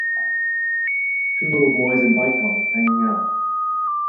Two little boys in bike helmets hanging out.